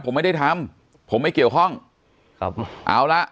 ผมไม่ได้ทำผมไม่เกี่ยวข้องครับผมเอาละ